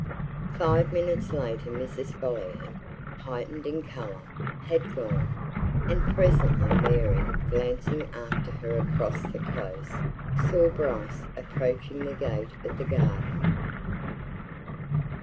Five minutes later Mrs. Folliot, heightened in colour, had gone. And presently Mary, glancing after her across the Close, saw Bryce approaching the gate of the garden.